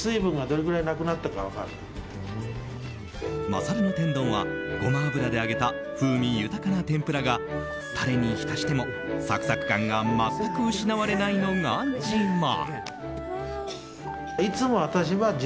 まさるの天丼はゴマ油で揚げた風味豊かな天ぷらがタレに浸してもサクサク感が全く失われないのが自慢。